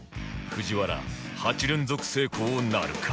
藤原８連続成功なるか？